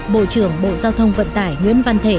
bộ trưởng bộ giao thông vận tải nguyễn văn thể